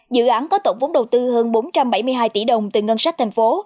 dự án có tổng vốn đầu tư hơn bốn trăm bảy mươi hai tỷ đồng từ ngân sách thành phố